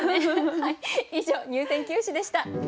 以上入選九首でした。